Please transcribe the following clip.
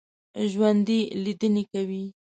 ژوندي لیدنې کوي